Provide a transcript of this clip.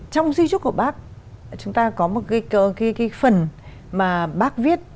trong di trúc của bác chúng ta có một cái phần mà bác viết